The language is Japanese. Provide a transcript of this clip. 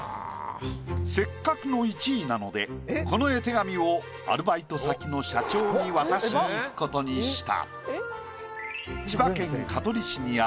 せっかくの１位なのでこの絵手紙をアルバイト先の社長に渡しに行くことにした。